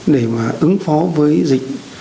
để mà ứng phó với dịch